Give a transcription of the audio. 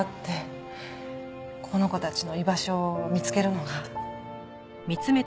この子たちの居場所を見つけるのが。